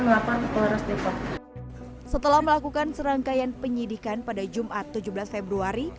delapan ke polres depok setelah melakukan serangkaian penyidikan pada jumat tujuh belas februari